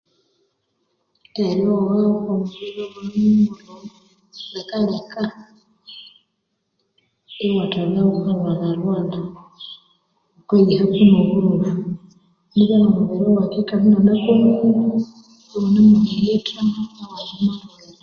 Eryogha likaleka ighuthabya ghukalhwalha lhwalhakutsi erihwako oburoffu nibya nomubiri waghu akikalha inyana komire